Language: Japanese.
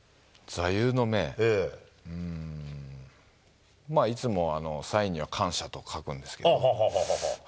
うーん、いつもサインには感謝と書くんですけど。